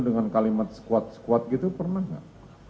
dengan kalimat squat squat gitu pernah gak